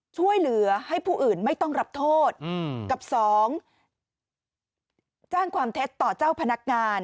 ช่วยเหลือให้ผู้อื่นไม่ต้องรับโทษกับสองแจ้งความเท็จต่อเจ้าพนักงาน